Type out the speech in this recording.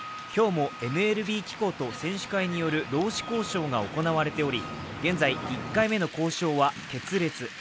今日もＭＬＢ機構と選手会による労使交渉が行われており、現在、１回目の交渉は決裂。